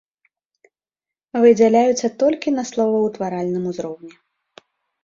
Выдзяляюцца толькі на словаўтваральным узроўні.